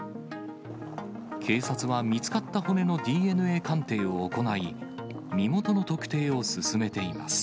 警察は見つかった骨のＤＮＡ鑑定を行い、身元の特定を進めています。